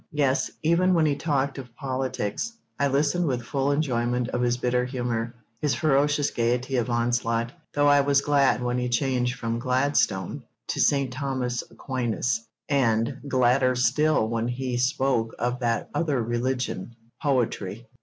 Yes, even when he talked of politics, I listened with full enjoyment of his bitter humour, his ferocious gaiety of onslaught; though I was glad when he changed from Gladstone to St. Thomas Aquinas, and gladder still when he spoke of that other religion, poetry.